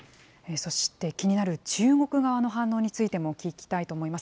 そして、気になる中国側の反応についても聞きたいと思います。